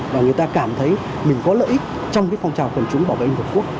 và người ta cảm thấy mình có lợi ích trong cái phong trào toàn dân bảo vệ an ninh tổ quốc